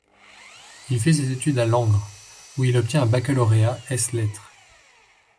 Il fait ses études à Langres où il obtient un baccalauréat ès lettres.